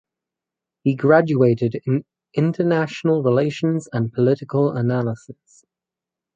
He graduated in International Relations and Political Analysis.